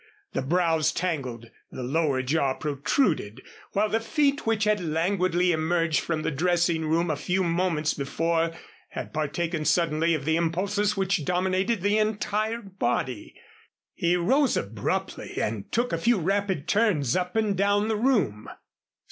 The brows tangled, the lower jaw protruded, while the feet which had languidly emerged from the dressing room a few moments before, had partaken suddenly of the impulses which dominated the entire body. He rose abruptly and took a few rapid turns up and down the room.